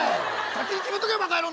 先に決めとけバカ野郎！